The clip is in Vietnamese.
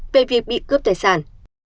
về việc bị cướp tài sản